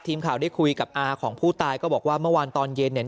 ทีมข่าวได้คุยกับอาของผู้ตายก็บอกว่าเมื่อวานตอนเย็นเนี่ย